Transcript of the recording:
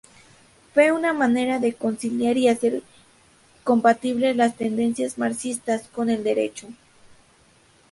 Fue una manera de conciliar y hacer compatibles las tendencias marxistas con el derecho.